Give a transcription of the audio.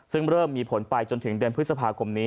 ซึ่งเริ่มมีผลไปจนถึงเดือนพฤษภาคมนี้